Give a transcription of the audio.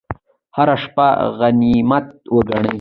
هره شیبه غنیمت وګڼئ